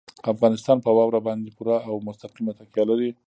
افغانستان په واوره باندې پوره او مستقیمه تکیه لري.